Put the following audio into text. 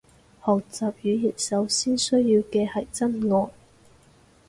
學習語言首先需要嘅係真愛